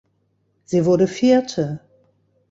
Sie wurde vierte.